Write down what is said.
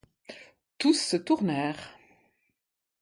Tous se tournèrent.